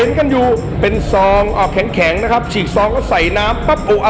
เห็นกันอยู่เป็นซองอ่าแข็งแข็งนะครับฉีกซองแล้วใส่น้ำปั๊บโอ้อ่ะ